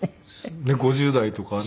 ５０代とかね。